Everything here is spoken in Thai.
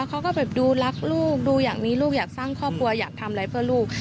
เขาก็แบบดูรักลูกดูอย่างนี้ลูกอยากสร้างครอบครัวอยากทำอะไรเพื่อลูก